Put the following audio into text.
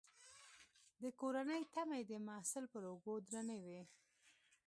د کورنۍ تمې د محصل پر اوږو درنې وي.